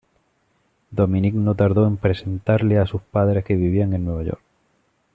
Dominique no tardó en presentarle a sus padres que vivían en Nueva York.